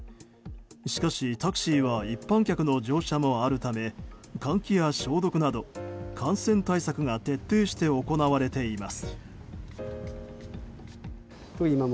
しかし、タクシーは一般客の乗車もあるため換気や消毒など、感染対策が徹底して行われています。